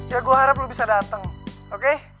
ya gue harap lo bisa dateng oke